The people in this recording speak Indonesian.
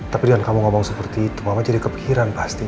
tapi dengan kamu ngomong seperti itu mama jadi kepikiran pasti